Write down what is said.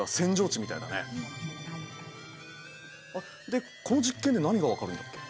でこの実験で何が分かるんだっけ？